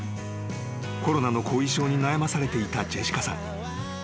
［コロナの後遺症に悩まされていたジェシカさん］